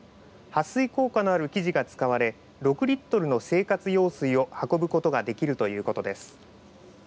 はっ水効果のある生地が使われ６リットルの生活用水を運ぶことができるということです。